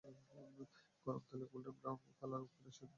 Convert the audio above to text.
গরম তেলে golden brown colour করে ভেজে নিন বড়াগুলো।